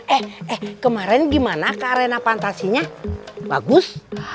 eh kemarin gimana ke arena pantasinya bagus